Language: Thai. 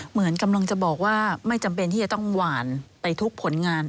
เหมือนกำลังจะบอกว่าไม่จำเป็นที่จะต้องหวานไปทุกผลงาน